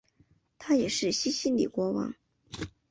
他也是西西里国王。